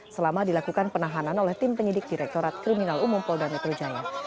selama dilakukan penahanan oleh tim penyidik direktorat kriminal umum polda metro jaya